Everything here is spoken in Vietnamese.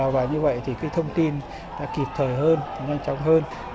và như vậy thì cái thông tin đã kịp thời hơn nhanh chóng hơn